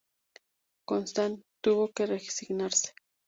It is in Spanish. Constant tuvo que resignarse.